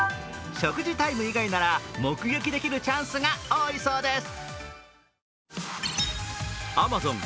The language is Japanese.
食事タイム以外なら目撃できるチャンスが多いそうです。